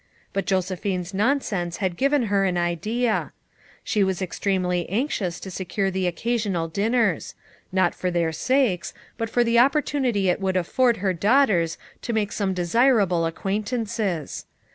But Josephine's nonsense had given her an idea. She was estremely anxious 112 FOUR MOTHERS AT CHAUTAUQUA to secure the occasional dinners ; not for their sakes, but for the opportunity it would afford her daughters to make some desirable acquaint ances.